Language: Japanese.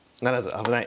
危ない。